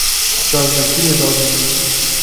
Çav vekirî radizê.